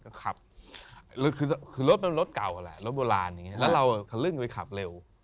ก็ขับคือรถต้องเป็นรถเก่าแหละรถโบราณแล้วเราเขลื่งไปขับเร็ว